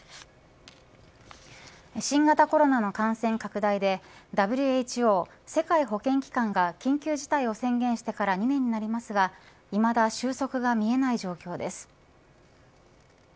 新型コロナの感染拡大でＷＨＯ世界保健機関が緊急事態を宣言してから２年になりますが、いまだ収束が見えない状況です。